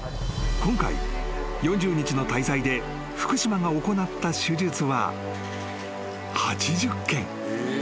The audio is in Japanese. ［今回４０日の滞在で福島が行った手術は８０件］